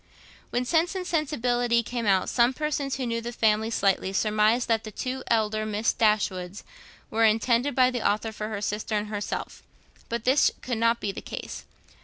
When 'Sense and Sensibility' came out, some persons, who knew the family slightly, surmised that the two elder Miss Dashwoods were intended by the author for her sister and herself; but this could not be the case.